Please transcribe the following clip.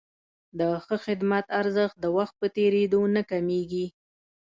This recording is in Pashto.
د ښه خدمت ارزښت د وخت په تېرېدو نه کمېږي.